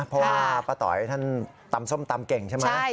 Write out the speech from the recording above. เพราะว่าป้าต๋อยท่านตำส้มตำเก่งใช่ไหม